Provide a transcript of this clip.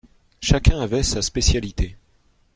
Chacun avait sa spécialité.